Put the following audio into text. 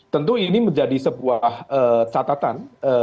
tentu ini menjadi sebuah catatan